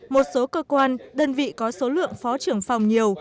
một số cơ quan đơn vị có số lượng phó trưởng phòng nhiều